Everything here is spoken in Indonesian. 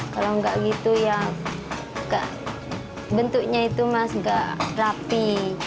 kalau enggak gitu ya bentuknya itu mas enggak rapi